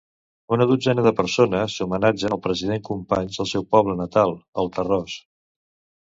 Una dotzena de persones homenatgen el president Companys al seu poble natal, el Tarròs.